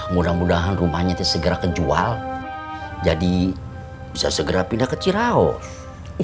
mudah mudahan rumahnya itu segera kejual jadi bisa segera pindah ke ciraung